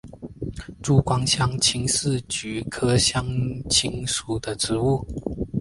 珠光香青是菊科香青属的植物。